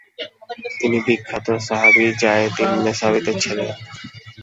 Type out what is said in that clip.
তিনি বিখ্যাত সাহাবী যায়েদ ইবনে সাবিতের ছেলে।